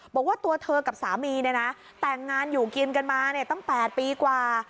บอกว่าตัวเธอกับสามีเนี่ยนะแต่งงานอยู่กินกันมาตั้ง๘ปีกว่า